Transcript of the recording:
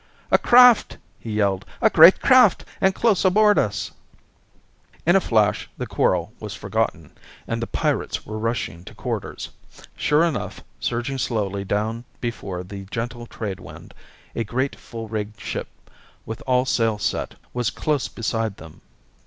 "A craft!" he yelled. "A great craft, and close aboard us!" In a flash the quarrel was forgotten, and the pirates were rushing to quarters. Sure enough, surging slowly down before the gentle trade wind, a great full rigged ship, with all sail set, was close beside them.